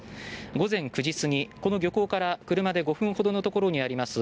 午前９時過ぎ、この漁港から車で５分ほどのところにあります